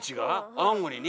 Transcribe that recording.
青森に？